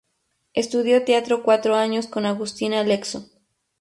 Estudió teatro cuatro años con Agustín Alezzo.